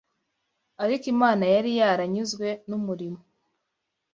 Ariko Imana yari yaranyuzwe n’umurimo